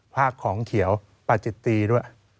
ภาคของเขียวปลาจิตตีด้วย